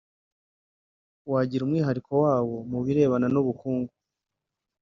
wagira umwihariko wawo mu birebana n’ubukungu